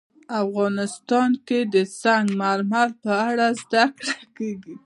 افغانستان کې د سنگ مرمر په اړه زده کړه کېږي.